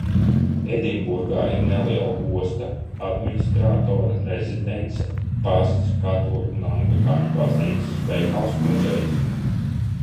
Edinburgā ir neliela osta, administratora rezidence, pasts, katoļu un anglikāņu baznīcas, veikals, muzejs.